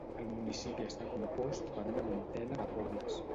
El municipi està compost per una vintena de pobles.